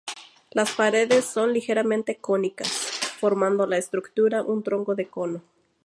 Las paredes son ligeramente cónicas, formando la estructura un tronco de cono.